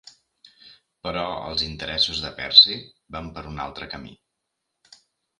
Però els interessos de Percy van per un altre camí.